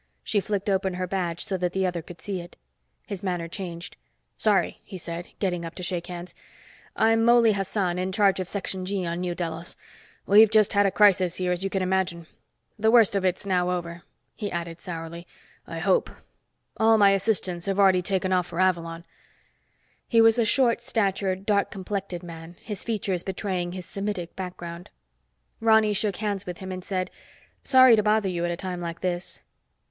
She flicked open her badge so that the other could see it. His manner changed. "Sorry," he said, getting up to shake hands. "I'm Mouley Hassan, in charge of Section G on New Delos. We've just had a crisis here, as you can imagine. The worst of it's now over." He added sourly, "I hope. All my assistants have already taken off for Avalon." He was a short statured, dark complected man, his features betraying his Semitic background. Ronny shook hands with him and said, "Sorry to bother you at a time like this."